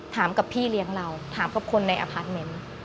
ถามกับพี่เลี้ยงเราถามกับคนในอพาร์ทเมนต์